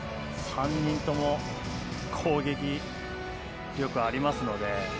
３人とも攻撃力ありますから。